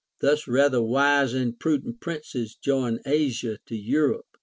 Thus rather wise and prudent princes join Asia to Europe.